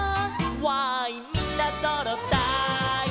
「わーいみんなそろったい」